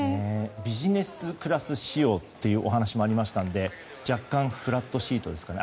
ビジネスクラス仕様というお話もありましたので若干、フラットシートですかね。